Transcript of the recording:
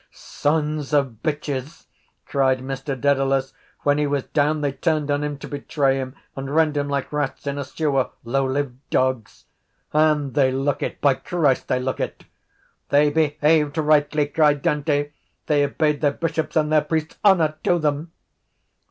—Sons of bitches! cried Mr Dedalus. When he was down they turned on him to betray him and rend him like rats in a sewer. Lowlived dogs! And they look it! By Christ, they look it! —They behaved rightly, cried Dante. They obeyed their bishops and their priests. Honour to them!